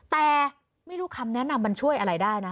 แต่ไม่รู้คำแนะนำมันช่วยอะไรได้นะ